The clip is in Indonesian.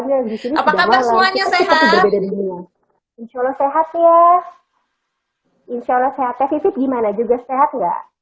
di sini apakah semuanya sehat insya allah sehat ya insya allah sehatnya gimana juga sehat nggak